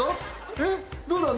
えっどうなんだ？